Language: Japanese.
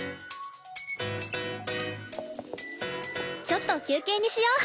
ちょっと休憩にしよう。